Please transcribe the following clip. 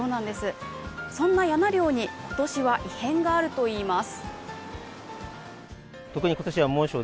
そんなやな漁に今年は異変があるといいます